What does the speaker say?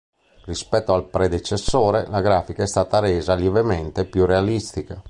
Rispetto al predecessore, la grafica è stata resa lievemente più realistica.